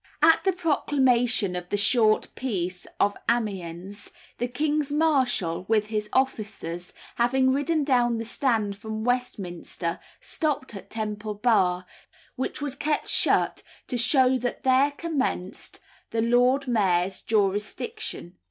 At the proclamation of the short peace of Amiens, the king's marshal, with his officers, having ridden down the Strand from Westminster, stopped at Temple Bar, which was kept shut to show that there commenced the Lord Mayor's jurisdiction.